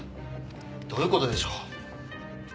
どういう事でしょう？